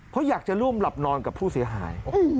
เพราะอยากจะร่วมหลับนอนกับผู้เสียหาย